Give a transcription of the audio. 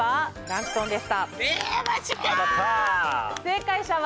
正解者は。